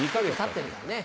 たってるからね。